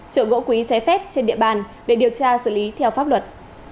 trợ gỗ quý trái phép trên địa bàn để điều tra xử lý theo pháp luật